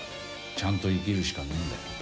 ちゃんと生きるしかねえんだよ。